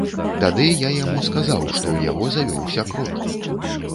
Тады я яму сказаў, што ў яго завёўся крот.